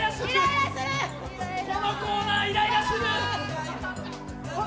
このコーナー、イライラする！